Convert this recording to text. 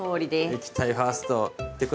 「液体ファースト」ってことは？